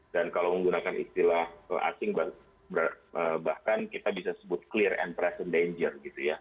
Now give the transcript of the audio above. dan kalau menggunakan istilah asing bahkan kita bisa sebut clear and present danger gitu ya